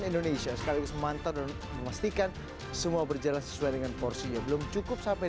indonesia sekaligus memantau dan memastikan semua berjalan sesuai dengan porsinya belum cukup sampai